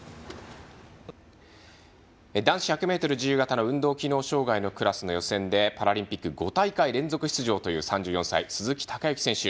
男子１００ｍ自由形の運動機能障がいのクラスの予選でパラリンピック５大会連続出場という３４歳、鈴木孝幸選手。